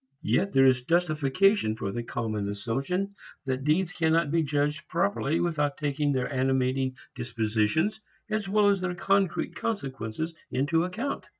Yet there is justification for the common assumption that deeds cannot be judged properly without taking their animating disposition as well as their concrete consequences into account.